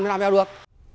thì làm heo được